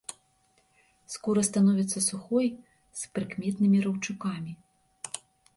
Скура становіцца сухой з прыкметнымі раўчукамі.